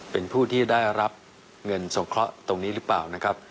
เป็นผู้ที่ได้รับเงินสงเคราะห์ตรงนี้หรือเปล่านะครับ